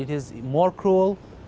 dan perang ini lebih krual